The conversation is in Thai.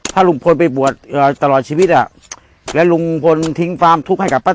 ถ้าลุงพลไปบวชตลอดชีวิตและลุงพลทิ้งความทุกข์ให้กับป้า